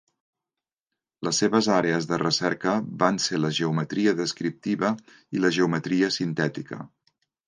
Les seves àrees de recerca van ser la geometria descriptiva i la geometria sintètica.